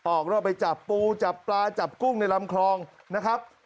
ออกแล้วไปจับปูจับปลาจับกุ้งในลำคลองนะครับ